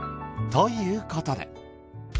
ということで。